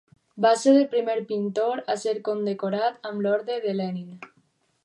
Va ser el primer pintor a ser condecorat amb l'orde de Lenin.